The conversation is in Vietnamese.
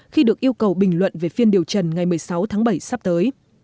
khi được yêu cầu bình luận về phiên điều trần ngày một mươi sáu tháng bảy sắp tới